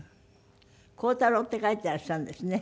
「浩太朗」って書いていらっしゃるんですね。